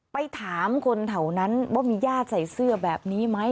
ไปถามคนแถวนั้นว่ามีญาติใส่เสื้อแบบนี้ไหม